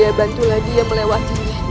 bahaya bantulah dia melewatinya